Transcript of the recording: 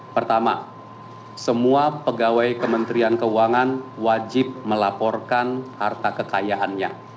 pertama semua pegawai kementerian keuangan wajib melaporkan harta kekayaannya